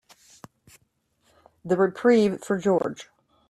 The reprieve for George.